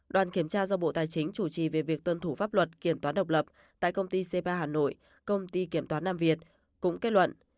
đoàn kiểm tra do bộ tài chính chủ trì về việc tuân thủ pháp luật kiểm toán độc lập tại công ty c ba hà nội công ty kiểm toán nam việt cũng kết luận